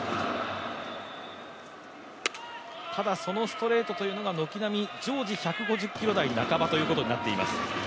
ただそのストレートというのが軒並み、常時１５０キロ半ばということになっています。